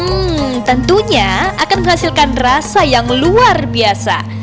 hmm tentunya akan menghasilkan rasa yang luar biasa